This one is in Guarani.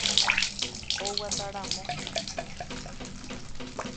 Oguataramo.